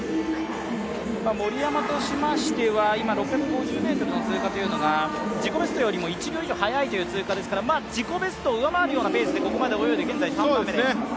森山としましては今、６５０ｍの通過というのが自己ベストよりも１秒以上速いということですから自己ベストを上回るペースでここまで泳いで現在３番目です。